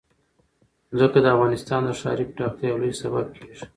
ځمکه د افغانستان د ښاري پراختیا یو لوی سبب کېږي.